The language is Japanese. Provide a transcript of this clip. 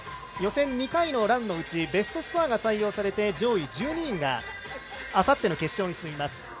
予選２回のランのうちベストスコアが採用されて上位１２人が、あさっての決勝に進みます。